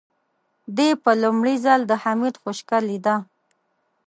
دې په لومړي ځل د حميد خشکه لېده.